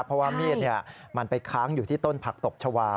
เพราะว่ามีดมันไปค้างอยู่ที่ต้นผักตบชาวา